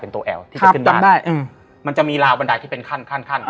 ที่จะขึ้นบ้านมันจะมีราวบันไดที่เป็นขั้น